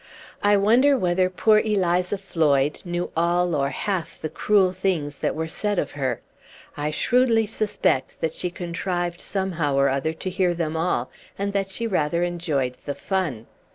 I wonder whether poor Eliza Floyd knew all or half the cruel things that were said of her. I shrewdly suspect that she contrived somehow or other to hear them all, and that she rather enjoyed the fun.